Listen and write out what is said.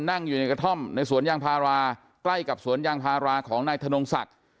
นั่งอยู่ในกระท่อมในสวนยางพาราใกล้กับสวนยางพาราของนายธนงศักดิ์